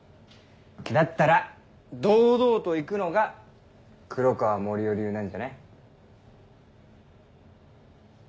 だったら堂々と行くのが黒川森生流なんじゃね？